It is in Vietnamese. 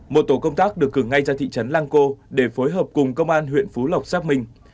một tổ công tác được cử ngay ra thị trấn lang co để phối hợp cùng công an huyện phú lộc xác minh